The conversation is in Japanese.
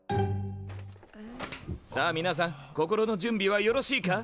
さあみなさん心の準備はよろしいか？